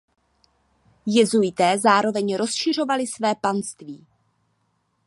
Jezuité zároveň rozšiřovali své panství.